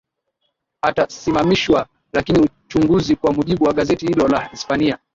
atasimamishwa lakini uchunguzi kwa mujibu wa gazeti hilo la hispania